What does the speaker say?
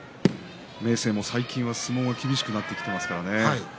明生、最近相撲が厳しくなっていますからね。